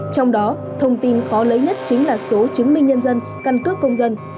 trong đó thông tin khó lấy nhất chính là số chứng minh nhân dân căn cước công dân